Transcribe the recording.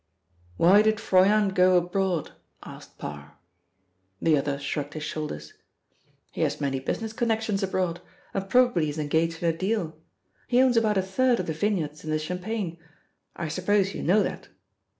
"Why did Froyant go abroad?" asked Parr. The other shrugged his shoulders. "He has many business connections abroad, and probably is engaged in a deal. He owns about a third of the vineyards in the Champagne. I suppose you know that?"